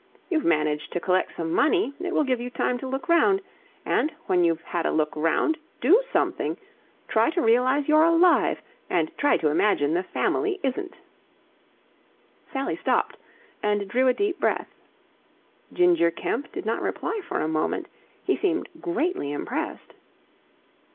You've managed to collect some money. It will give you time to look round. And, when you've had a look round, do something! Try to realize you're alive, and try to imagine the family isn't!" Sally stopped and drew a deep breath. Ginger Kemp did not reply for a moment. He seemed greatly impressed.